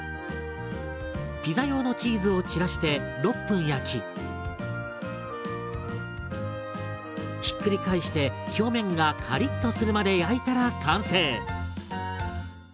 ピザ用のチーズをちらして６分焼きひっくり返して表面がカリッとするまで焼いたら完成。